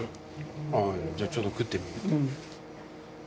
じゃあちょっと食ってみ？